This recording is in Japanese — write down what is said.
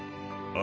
あ。